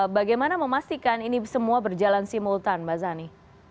bagaimana memastikan ini semua berjalan simultan mbak zani